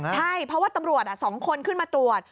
ใช่เพราะว่าตำรวจ๒คนขึ้นมาตรวจ